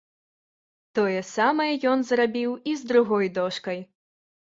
Тое самае ён зрабіў і з другой дошкай.